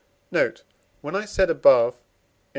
Note. When I said above in III.